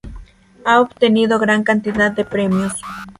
Ha obtenido gran cantidad de premios.